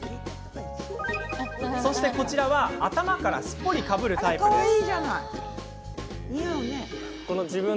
そして、こちらは頭からすっぽりかぶるタイプです。